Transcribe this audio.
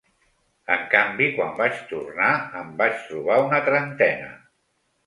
En canvi, quan vaig tornar, en vaig trobar una trentena.